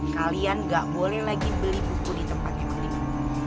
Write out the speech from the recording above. kalian gak boleh lagi beli buku di tempatnya mang liman